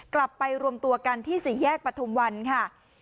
กลับไปรวมตัวกันที่สี่แยกปฐุมวันค่ะ